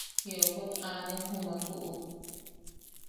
Jiokot anen jumakuʼu.